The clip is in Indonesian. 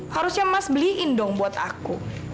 harusnya mas beliin dong buat aku